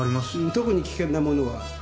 特に危険なものは？